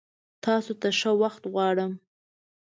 تاسو ته ښه وخت غوړم!